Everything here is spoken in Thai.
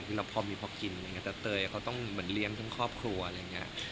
คือเราพอมีพอกินอะไรอย่างนี้แต่เตยเขาต้องเหมือนเลี้ยงทั้งครอบครัวอะไรอย่างนี้